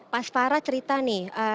pas farah cerita nih